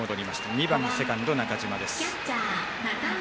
２番、セカンド、中島です。